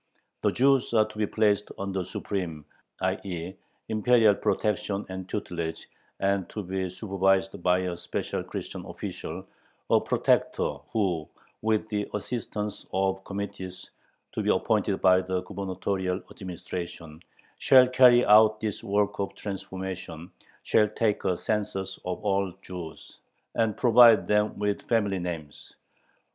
The Jews are to be placed under "Supreme [i. e. Imperial] protection and tutelage" and to be supervised by a special Christian official, a "Protector," who, with the assistance of committees to be appointed by the gubernatorial administrations, shall carry out this work of "transformation," shall take a census of all the Jews, and provide them with family names.